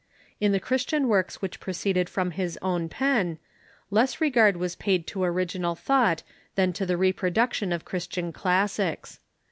In the Christian works which proceeded from his own pen, less regard was paid to original thought than to the reproduction of Christian classics.